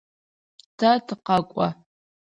Тэ тыкъэкӏо.